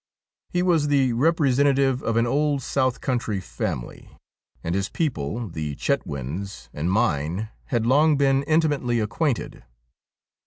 He was the repre sentative of an old south country family, and his people, the Chetwynds, and mine had long been intimately acquainted.